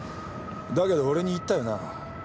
だけど俺に言ったよな。